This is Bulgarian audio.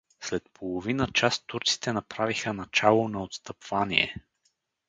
След половина час турците направиха начало на отстъпвание.